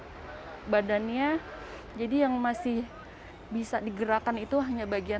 nenek ini tidak bisa bergerak kakinya tangan kiri jadi yang masih bisa digerakkan itu hanya bagian